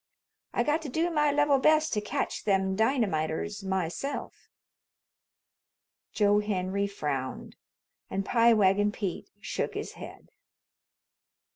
I got to do my level best to catch them dynamiters myself." Joe Henry frowned, and Pie Wagon Pete shook his head.